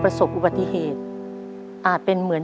ปิดเท่าไหร่ก็ได้ลงท้ายด้วย๐เนาะ